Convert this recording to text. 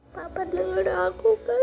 papa denger aku kan